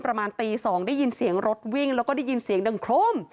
ประมาณตี๒ได้ยินเสียงรถวิ่งแล้วก็ได้ยินเสียงดังโครม